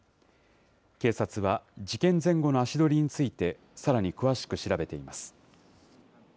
警察は事件前後の足取りについて、さらに詳しく調べています。